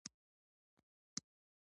هر لغت باید یو تصویر جوړ کړي.